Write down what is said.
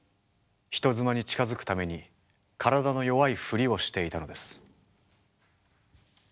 人妻に近づくために体の弱いフリをしていたのです。